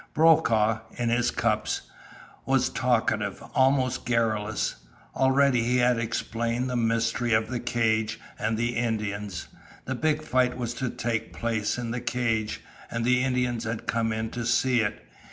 Brokaw, in his cups, was talkative almost garrulous. Already he had explained the mystery of the cage, and the Indians. The big fight was to take place in the cage, and the Indians had come in to see it.